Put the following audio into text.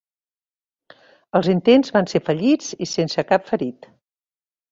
Els intents van ser fallits i sense cap ferit.